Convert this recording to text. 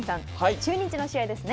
中日の試合ですね。